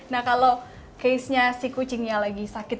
nah kalau kucingnya lagi sakit